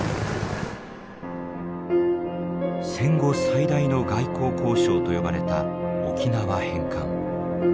戦後最大の外交交渉と呼ばれた沖縄返還。